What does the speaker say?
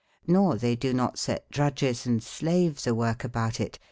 J^J^or tbey donot set drudgeis & slaves a work e about it.